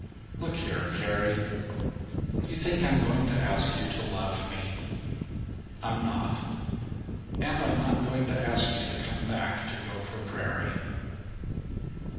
"Look here, Carrie; you think I'm going to ask you to love me. I'm not. And I'm not going to ask you to come back to Gopher Prairie!"